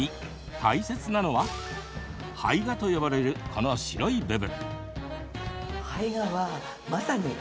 大切なのは胚芽と呼ばれるこの白い部分。